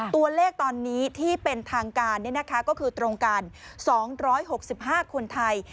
ตัวเลขตอนนี้ที่เป็นทางการก็คือตรงกัน๒๖๕คนไทย